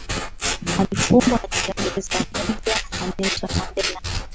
alifungwa katika gereza moja na nelson mandela